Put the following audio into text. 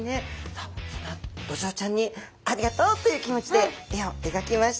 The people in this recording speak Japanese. さあそんなドジョウちゃんにありがとうという気持ちで絵を描きました。